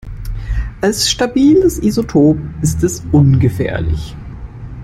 Als stabiles Isotop ist es ungefährlich.